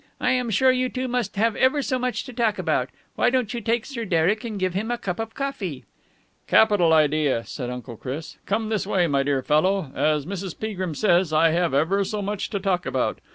"I'm sure you two must have ever so much to talk about. Why don't you take Sir Derek and give him a cup of coffee?" "Capital idea!" said Uncle Chris. "Come this way, my dear fellow. As Mrs. Peagrim says, I have ever so much to talk about.